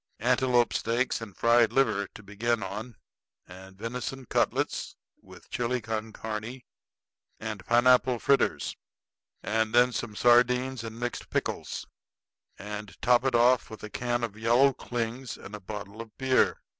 Antelope steaks and fried liver to begin on, and venison cutlets with chili con carne and pineapple fritters, and then some sardines and mixed pickles; and top it off with a can of yellow clings and a bottle of beer.